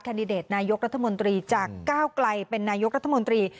ดิเดตนายกรัฐมนตรีจากก้าวไกลเป็นนายกรัฐมนตรี